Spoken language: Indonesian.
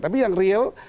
tapi yang real